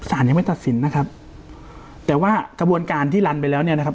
สารยังไม่ตัดสินนะครับแต่ว่ากระบวนการที่ลันไปแล้วเนี่ยนะครับ